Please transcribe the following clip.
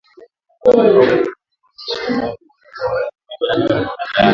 Homa ya mapafu husababishwa na kuwepo kwa wanyama wenye maambukizi